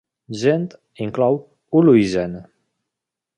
Gendt inclou Hulhuizen.